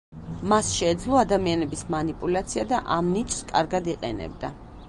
მას შეეძლო ადამიანების მანიპულაცია და ამ ნიჭს კარგად იყენებდა.